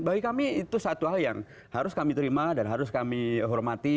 bagi kami itu satu hal yang harus kami terima dan harus kami hormati